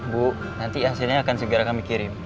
bu nanti hasilnya akan segera kami kirim